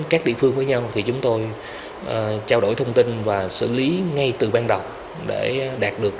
các địa phương với nhau thì chúng tôi trao đổi thông tin và xử lý ngay từ ban đầu để đạt được